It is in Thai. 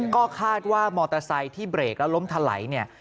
ก็คาดว่ามอเตอร์ไซค์ที่เบรกแล้วล้มถลัยเนี่ย